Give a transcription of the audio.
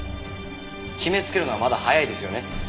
決めつけるのはまだ早いですよね。